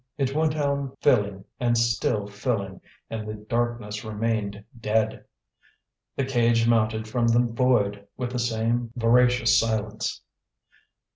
It went on filling and still filling, and the darkness remained dead. The cage mounted from the void with the same voracious silence.